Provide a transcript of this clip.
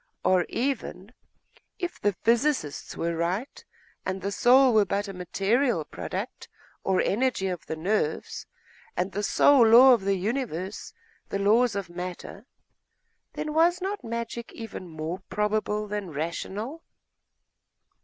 Or even, if the physicists were right, and the soul were but a material product or energy of the nerves, and the sole law of the universe the laws of matter, then was not magic even more probable, more rational?